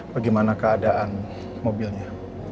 bagaimana keadaan mobilnya